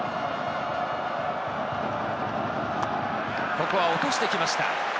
ここは落としてきました。